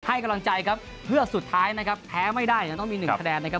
ให้กำลังใจครับเพื่อสุดท้ายนะครับแพ้ไม่ได้ยังต้องมีหนึ่งคะแนนนะครับ